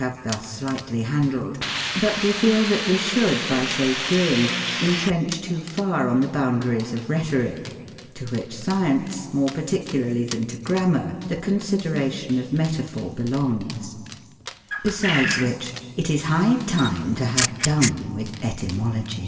have thus slightly handled, but that we feel that we should by so doing, intrench too far on the boundaries of Rhetoric, to which science, more particularly than to Grammar, the consideration of Metaphor belongs ; besides which, it is high time to have done with Ety mology.